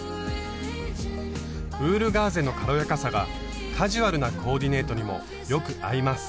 ウールガーゼの軽やかさがカジュアルなコーディネートにもよく合います。